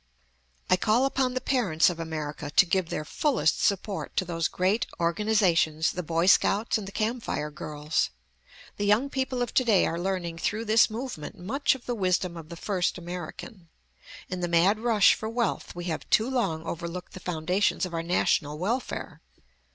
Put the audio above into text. I call upon the parents of America to give their fullest support to those great organizations, the Boy Scouts and the Camp Fire Girls. The young people of to day are learning through this movement much of the wisdom of the first American. In the mad rush for wealth we have too long overlooked the foundations of our national welfare.